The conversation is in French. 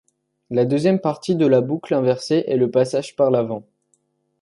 La deuxième partie de la boucle inversée est le passage par l'avant.